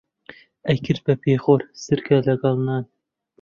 ئەیکرد بە پێخۆر سرکە لەگەڵ نان